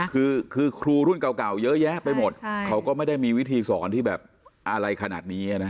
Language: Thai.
คือครูรุ่นเก่าเยอะแยะไปหมดเขาก็ไม่ได้มีวิธีสอนที่แบบอะไรขนาดนี้